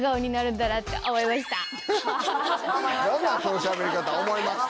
何なんそのしゃべり方思いました！